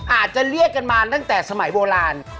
อาจจะเรียกกันมาตั้งแต่สมัยโบราณ